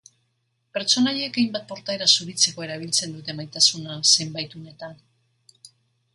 Pertsonaiek hainbat portaera zuritzeko erabiltzen dute maitasuna, zenbait unetan.